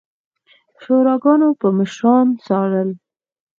شوراګانو به مشران څارل